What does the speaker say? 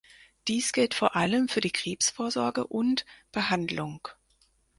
Dies gilt vor allem für die Krebsvorsorge und -behandlung.